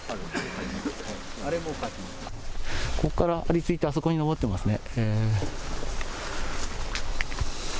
ここから張り付いてあそこに登ってますね。